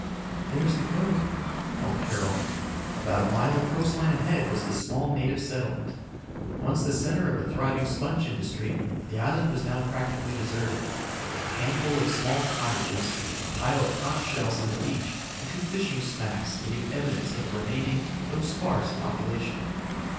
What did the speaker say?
"There's the cove," called Carol. About a mile of coastline ahead was the small native settlement. Once the center of a thriving sponge industry, the island was now practically deserted. A handful of small cottages, a pile of conch shells on the beach and two fishing smacks gave evidence of a remaining, though sparse, population.